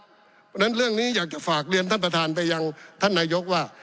เพราะฉะนั้นเรื่องนี้อยากจะฝากเรียนท่านประธานไปยังท่านนายกว่า